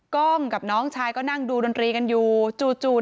กล้องกับน้องชายก็นั่งดูดนตรีอยู่ประมาณนี้